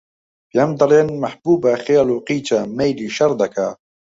پێم دەڵێن: مەحبووبە خێل و قیچە، مەیلی شەڕ دەکا